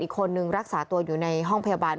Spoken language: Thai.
คนหนึ่งรักษาตัวอยู่ในห้องพยาบาล